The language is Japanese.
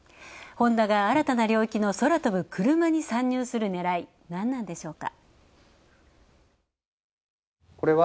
ホンダが新たな領域の空飛ぶクルマに参入するねらい、なんなんでしょうか。